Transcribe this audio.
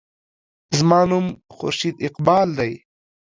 زما نوم خورشید اقبال دے.